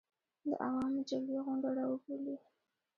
د عوامو جرګې غونډه راوبولي.